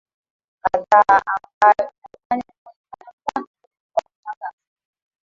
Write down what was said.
kadhaa ambayo inafanya kuonekana kwake kwa kushangaza